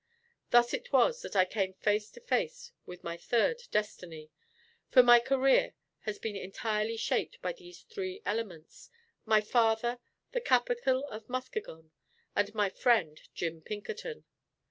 Thus it was that I came face to face with my third destiny; for my career has been entirely shaped by these three elements, my father, the capitol of Muskegon, and my friend, Jim Pinkerton.